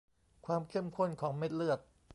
ความเข้มข้นของเม็ดเลือด